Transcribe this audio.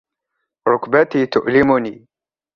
ركبتي تؤلمني.